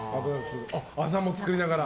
あざも作りながら。